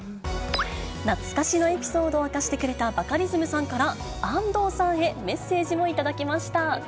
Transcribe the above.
懐かしのエピソードを明かしてくれたバカリズムさんから、安藤さんへメッセージも頂きまし